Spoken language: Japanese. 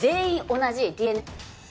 同じＤＮＡ？